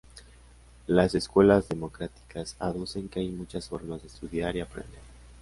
Las escuelas democráticas aducen que hay muchas formas de estudiar y aprender.